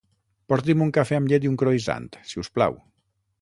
Porti'm un cafè amb llet i un croisant, si us plau.